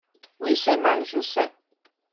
Oui c'est mal je sais.